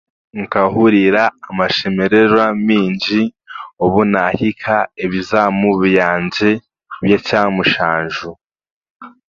Nkahurira amashemererwa maingi obu naahika ebizaamu byangye by'ekyamushanju